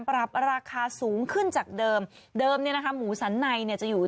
ปรับราคาสูงขึ้นจากเดิมเดิมเนี่ยนะคะหมูสันในเนี่ยจะอยู่